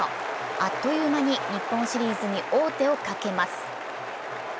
あっという間に日本シリーズに王手をかけます。